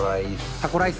「タコライス！」